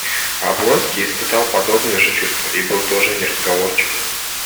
Облонский испытывал подобное же чувство и был тоже неразговорчив.